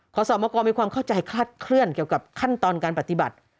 ขอสอบมากรมีความเข้าใจคลาดเคลื่อนเกี่ยวกับขั้นตอนการปฏิบัติ